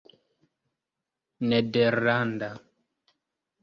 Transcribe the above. nederlanda